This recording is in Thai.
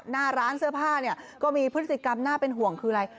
หน้าร้านเสื้อผ้าเนี่ยก็มีพฤติกรรมน่าเป็นห่วงคืออะไร